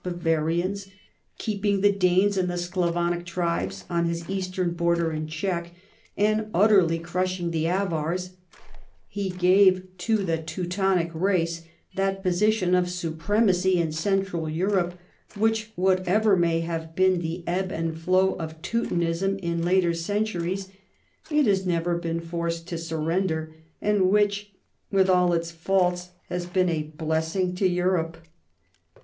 329 Bavarians, keeping the Danes and the Sclavonic tribes on his eastern border in check, and utterly crushing the Avars, the gave te Teutonic race that position of supremacy in Central Europe which, whatever may have been the ebb and flow of Teu tonism in later centuries, it has never been forced to surrender, and which, with all its faults, has been a blessing to Europe.